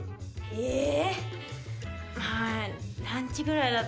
えっ！？